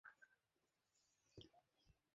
অই, থাম!